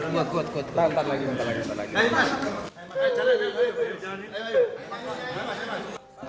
lihat kuat kuat nanti lagi